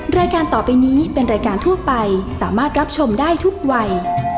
รายการต่อไปนี้เป็นรายการทั่วไปสามารถรับชมได้ทุกวัย